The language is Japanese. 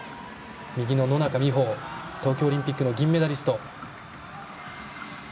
右の野中生萌東京オリンピックの銀メダリスト。